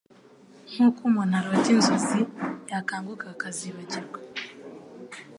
Nk’uko umuntu arota inzozi yakanguka akazibagirwa